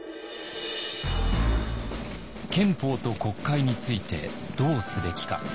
憲法と国会についてどうすべきか。